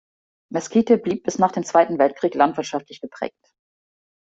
Mesquite blieb bis nach dem Zweiten Weltkrieg landwirtschaftlich geprägt.